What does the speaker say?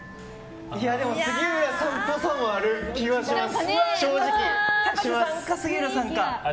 でも、杉浦さんっぽさもある気はします。